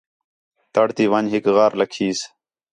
تڑ تی ون٘ڄ ہِک غار لَکھیس